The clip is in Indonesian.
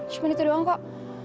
cuma itu doang kok